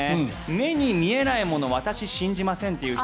目に見えないものを私、信じませんという人。